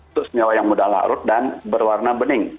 itu senyawa yang mudah larut dan berwarna bening